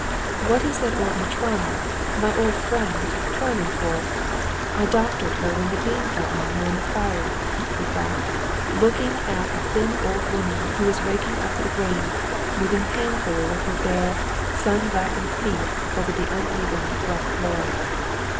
What is that old Matrona, my old friend, toiling for? (I doctored her, when the beam fell on her in the fire)" he thought, looking at a thin old woman who was raking up the grain, moving painfully with her bare, sun blackened feet over the uneven, rough floor.